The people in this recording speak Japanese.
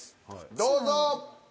どうぞ。